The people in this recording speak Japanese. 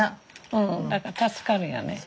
うんだから助かるんやね。